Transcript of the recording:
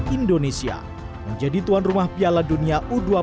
indonesia menjadi tuan rumah piala dunia u dua puluh